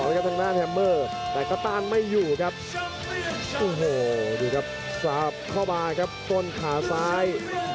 ทางด้านแฮมเมอร์แต่ก็ต้านไม่อยู่ครับโอ้โหดูครับสาบเข้ามาครับต้นขาซ้าย